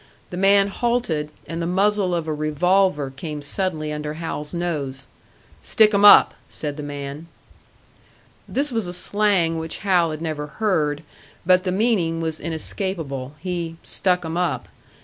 The man halted, and the muzzle of a revolver came suddenly under Hal's nose. "Stick 'em up!" said the man. This was a slang which Hal had never heard, but the meaning was inescapable; he "stuck 'em up."